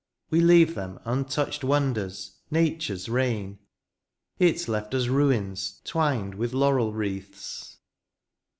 We leave them untouched wonders, nature's reign ; It left us ruins twined with laurel wreaths.